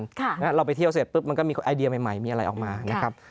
แล้วเราไปเที่ยวเสร็จปุ๊บมันก็มีไอเดียใหม่มีอะไรออกมานะครับ